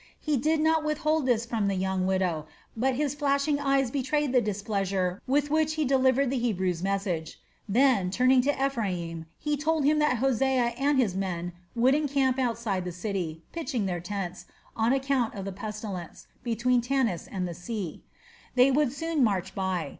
He did not withhold this from the young widow, but his flashing eyes betrayed the displeasure with which he delivered the Hebrew's message. Then, turning to Ephraim, he told him that Hosea and his men would encamp outside of the city, pitching their tents, on account of the pestilence, between Tanis and the sea. They would soon march by.